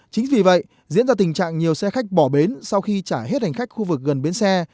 chính vì vậy diễn ra tình trạng nhiều xe khách bỏ bến sau khi trả hết hành khách khu vực gần bến xe